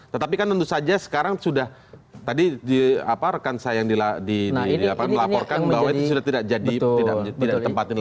tetapi kan tentu saja sekarang sudah tadi rekan saya yang melaporkan bahwa sudah tidak jadi tidak ditempatkan lagi